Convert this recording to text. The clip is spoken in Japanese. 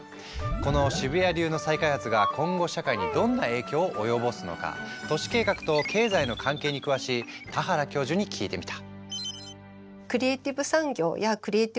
この渋谷流の再開発が今後社会にどんな影響を及ぼすのか都市計画と経済の関係に詳しい田原教授に聞いてみた。